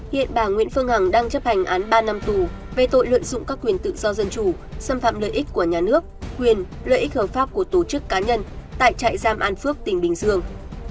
hiện bà nguyễn phương hằng đang chấp hành án ba năm tù về tội lợi dụng các quyền tự do dân chủ xâm phạm lợi ích của nhà nước quyền lợi ích hợp pháp của tổ chức cá nhân tại trại giam an phước tỉnh bình dương